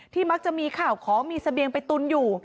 มักจะมีข่าวของมีเสบียงไปตุนอยู่